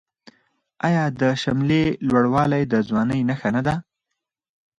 آیا د شملې لوړوالی د ځوانۍ نښه نه ده؟